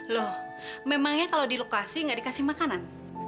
loh memangnya kalau di lokasi nggak dikasih makanan